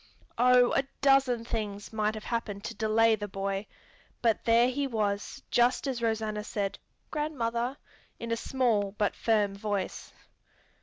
Oh, a dozen things might have happened to delay the boy, but there he was just as Rosanna said, "Grandmother!" in a small but firm voice.